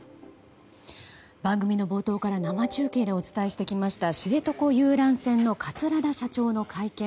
番組の冒頭から生中継でお伝えしてきました知床遊覧船の桂田社長の会見